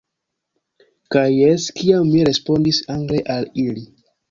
Kaj jes, kiam mi respondis angle al ili.